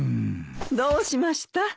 どうしました？